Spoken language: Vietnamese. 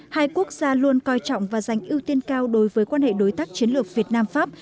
hai quốc gia luôn coi trọng và giành ưu tiên cao đối với quan hệ đối tác chiến lược việt nam pháp